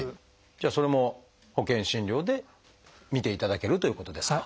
じゃあそれも保険診療で診ていただけるということですか？